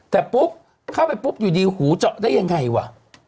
แต่ปุ๊บเข้าไปปุ๊บอยู่ดีหูเจาะได้ยังไงวะ